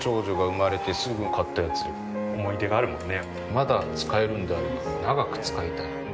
まだ使えるんであれば長く使いたい。